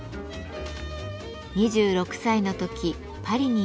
２６歳の時パリに留学。